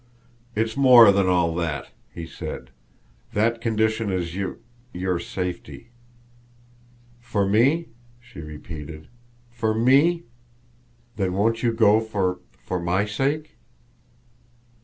"It's more than all that," he said. "That condition is you your safety." "For me?" she repeated. "For me? Then, won't you go for for my sake?"